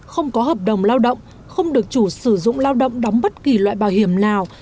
không có hợp đồng lao động không được chủ sử dụng lao động đóng bất kỳ loại bảo hiểm nào